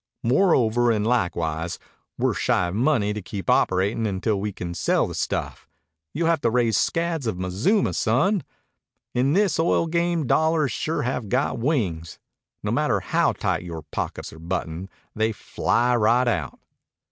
"Moreover an' likewise, we're shy of money to keep operatin' until we can sell the stuff. You'll have to raise scads of mazuma, son. In this oil game dollars sure have got wings. No matter how tight yore pockets are buttoned, they fly right out."